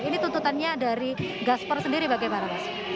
ini tuntutannya dari gasper sendiri bagaimana mas